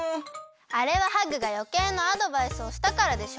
あれはハグがよけいなアドバイスをしたからでしょ！